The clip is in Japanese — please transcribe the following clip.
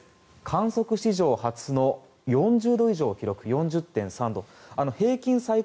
観測史上初の４０度以上を記録。